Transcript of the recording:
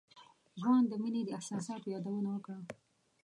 ځوان د مينې د احساساتو يادونه وکړه.